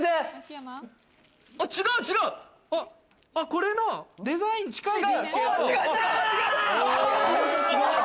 これのデザイン近い！